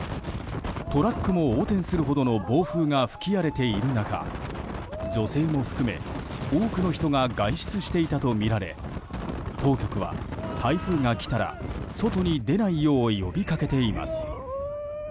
トラックも横転するほどの暴風が吹き荒れている中女性も含め多くの人が外出していたとみられ当局は台風が来たら外に出ないよう呼びかけています。